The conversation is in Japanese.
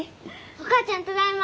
お母ちゃんただいま。